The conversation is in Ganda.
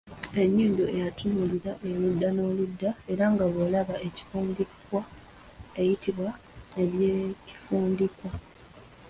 Ennyindo eyatuutiira erudda n’erudda era nga bw’olaba ekifundikwa eyitibwa Ey’ekifundikwa.